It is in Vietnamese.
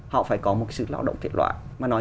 họ phải có một sự lao động thể loại